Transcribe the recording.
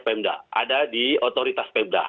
pemda ada di otoritas pemda